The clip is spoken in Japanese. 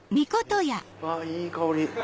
いい香り。